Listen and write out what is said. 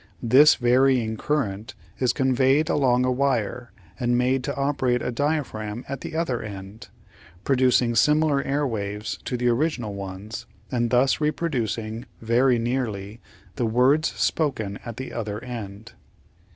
This varying current is conveyed along a wire and made to operate a diaphragm at the other end, producing similar air waves to the original ones and thus reproducing, very nearly, the words spoken at the other end.